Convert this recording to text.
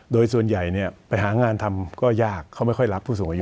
โดยส่วนใหญ่ไปหางานทำก็ยากเขาไม่ค่อยรักผู้สูงอายุ